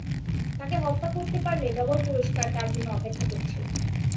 তাঁকে হত্যা করতে পারলে ডবল পুরস্কার তার জন্য অপেক্ষা করছে।